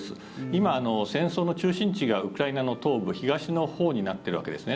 今、戦争の中心地がウクライナの東部東のほうになっているわけです。